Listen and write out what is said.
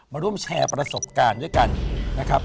มาร่วมแชร์ประสบการณ์ด้วยกันนะครับ